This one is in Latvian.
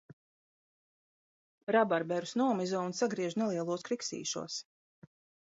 Rabarberus nomizo un sagriež nelielos kriksīšos.